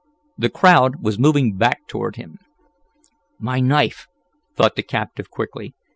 The crowd was moving back toward him. "My knife!" thought the captive quickly.